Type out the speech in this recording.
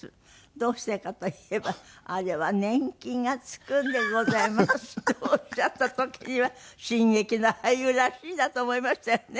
「どうしてかと言えばあれは年金がつくんでございます」っておっしゃった時には新劇の俳優らしいなと思いましたよね。